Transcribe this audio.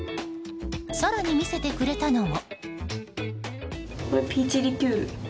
更に、見せてくれたのも。